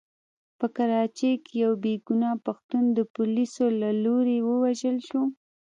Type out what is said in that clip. په کراچۍ کې يو بې ګناه پښتون د پوليسو له لوري ووژل شو.